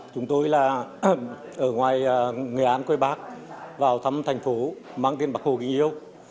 chúng tôi là ở ngoài người an quê bắc vào thăm thành phố mang tên bạc hồ kinh yêu